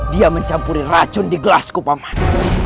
dia mencampuri racun di gelasku paman